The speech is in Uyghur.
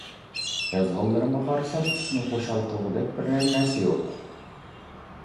يازغانلىرىمغا قارىسام كىشىنى خۇشال قىلغۇدەك بىرەر نەرسە يوق.